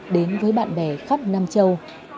đến với bạn bè khắp nam châu